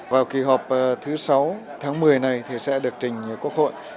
vào kỳ họp thứ sáu tháng một mươi này thì sẽ được trình quốc hội